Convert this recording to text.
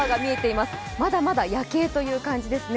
まだまだ夜景という感じですね。